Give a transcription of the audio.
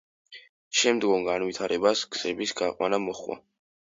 შემდგომ განვითარებას გზების გაყვანა მოჰყვა.